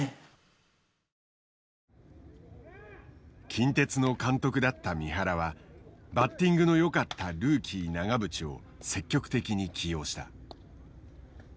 近鉄の監督だった三原はバッティングのよかったルーキー永淵を積極的に起用した。